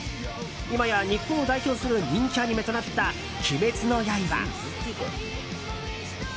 いまや日本を代表する人気アニメとなった「鬼滅の刃」。